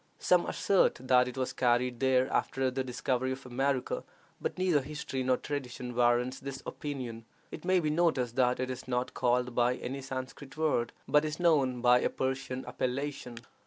Some assert that it was carried there after the discovery of America, but neither history nor tradition warrants this opinion. It may be noticed that it is not called by any Sanscrit word, but is known by a Persian appellation.